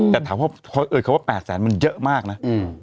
แต่ถามเขาว่า๘๗๐๐๐๐มันเยอะมากนะ